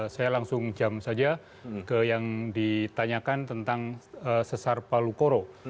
saya langsung jam saja ke yang ditanyakan tentang sesar palu koro